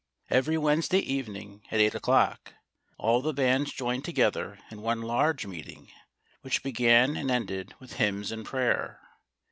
Every Wednesday evening, at eight o'clock, all the bands joined together in one large meeting, which began and ended with hymns and prayer.